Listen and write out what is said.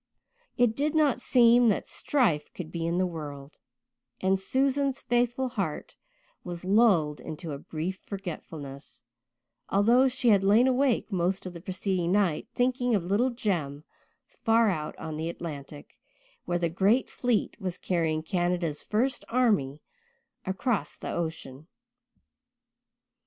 It did not seem that strife could be in the world, and Susan's faithful heart was lulled into a brief forgetfulness, although she had lain awake most of the preceding night thinking of little Jem far out on the Atlantic, where the great fleet was carrying Canada's first army across the ocean.